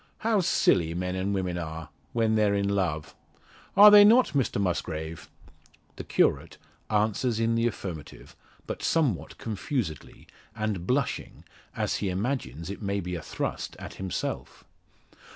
How silly men and women are when they're in love. Are they not, Mr Musgrave?" The curate answers in the affirmative but somewhat confusedly, and blushing, as he imagines it may be a thrust at himself.